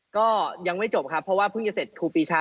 ก็ยังไม่จบครับเพราะว่าเพิ่งจะเสร็จครูปีชา